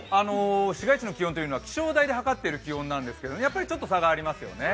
市街地の気温は気象台で測っている気温ですがやっぱりちょっと差がありますよね。